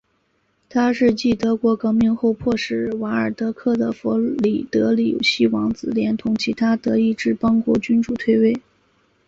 它是继德国革命后迫使瓦尔德克的弗里德里希王子连同其他德意志邦国君主退位。